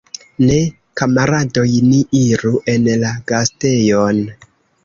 Ne, kamaradoj, ni iru en la gastejon!